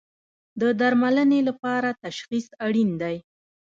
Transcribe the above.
د درملنې لپاره تشخیص اړین دی